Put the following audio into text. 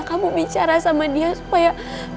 kamu bicara sama dia supaya